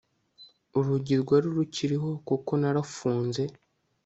Urugi rwari rukiriho kuko narufunze